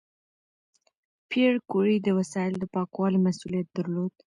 پېیر کوري د وسایلو د پاکوالي مسؤلیت درلود.